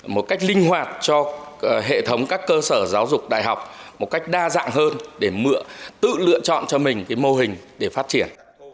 một cách linh hoạt cho hệ thống các cơ sở giáo dục đại học một cách đa dạng hơn để tự lựa chọn cho mình cái mô hình để phát triển